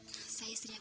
terima kasih jambo